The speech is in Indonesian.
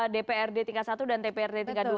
dprd tingkat satu dan dprd tingkat dua